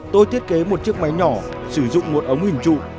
tôi thiết kế một chiếc máy nhỏ sử dụng một ống hình trụ